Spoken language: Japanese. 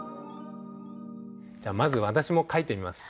じゃあまず私も書いてみます。